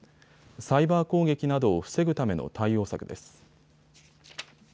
サイバー攻撃などを防ぐための対応策です。